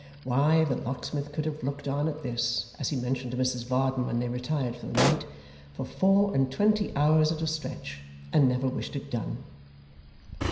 why, the locksmith could have looked on at this (as he mentioned to Mrs Varden when they retired for the night) for four and twenty hours at a stretch, and never wished it done.